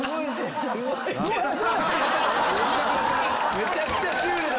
めちゃくちゃシュールだ！